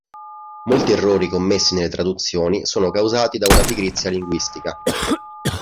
Molti errori commessi nelle traduzioni sono causati da una "pigrizia linguistica".